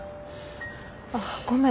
あっごめん。